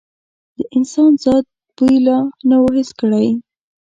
د انسان ذات بوی لا نه و حس کړی.